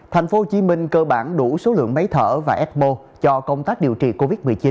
tp hcm cơ bản đủ số lượng máy thở và ecmo cho công tác điều trị covid một mươi chín